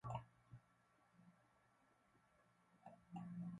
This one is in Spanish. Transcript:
Ortiz ganó la pelea por sumisión en la primera ronda.